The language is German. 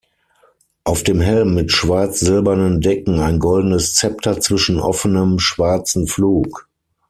Auf dem Helm mit schwarz-silbernen Decken ein goldenes Zepter zwischen offenem schwarzen Flug.